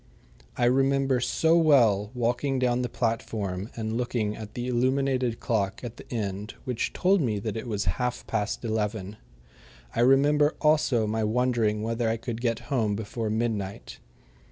I remember so well walking down the platform and looking at the illuminated clock at the end which told me that it was half past eleven. I remember also my wondering whether I could get home before midnight.